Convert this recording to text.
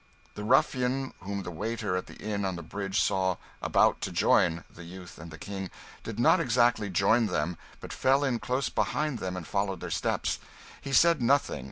The ruffian whom the waiter at the inn on the bridge saw 'about to join' the youth and the King did not exactly join them, but fell in close behind them and followed their steps. He said nothing.